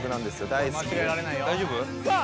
大好きでさあ